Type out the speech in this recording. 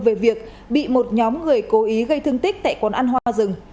về việc bị một nhóm người cố ý gây thương tích tại quán ăn hoa rừng